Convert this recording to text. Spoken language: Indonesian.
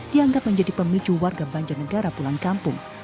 dianggap menjadi pemicu warga banjarnegara pulang kampung